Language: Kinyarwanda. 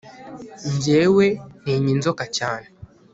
njyewe ntinya inzoka cyane